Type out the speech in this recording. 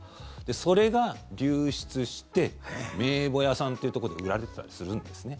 それが流出して名簿屋さんっていうとこで売られてたりするんですね。